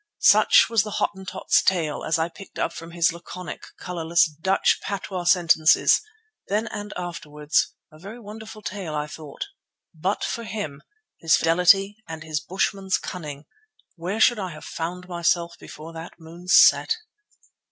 Such was the Hottentot's tale as I picked it up from his laconic, colourless, Dutch patois sentences, then and afterwards; a very wonderful tale I thought. But for him, his fidelity and his bushman's cunning, where should I have found myself before that moon set?